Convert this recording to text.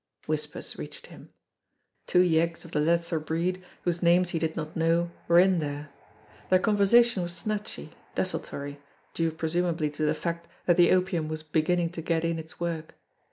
Whispers reached him. Two yeggs of the lesser breed, whose names he did not know, were in there. Their con versation was snatchy, desultory, due presumably to the fact that the opium was beginning to get in its work.